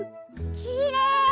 きれい！